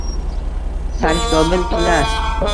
Sarhisobin kilar